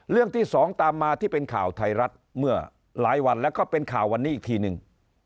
ที่สองตามมาที่เป็นข่าวไทยรัฐเมื่อหลายวันแล้วก็เป็นข่าววันนี้อีกทีนึง